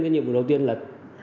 cái nhiệm vụ đầu tiên là